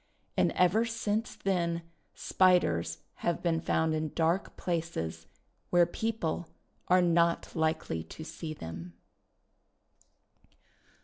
And ever since then Spiders have been found in dark places, where people are not likely to see them.